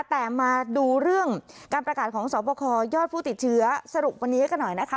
แต่มาดูเรื่องการประกาศของสอบคอยอดผู้ติดเชื้อสรุปวันนี้กันหน่อยนะคะ